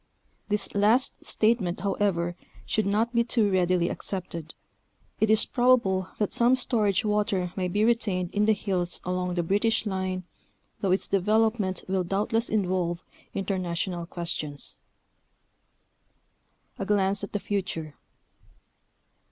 This last statement, however, should not be too readily accepted. It is probable that some storage water may be retained in the hills along the British line, though its develop ment will doubtless involve international questions. A GLANCE AT THE FUTURE.